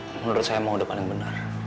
menurut saya mah udah paling benar